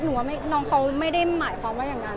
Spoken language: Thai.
ว่าน้องเขาไม่ได้หมายความว่าอย่างนั้น